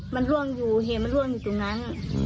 มันร่วงอยู่เหตุมันร่วงอยู่ตรงนั้น